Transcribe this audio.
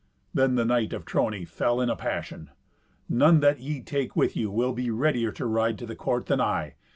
Then the knight of Trony fell into a passion. "None that ye take with you will be readier to ride to the court than I.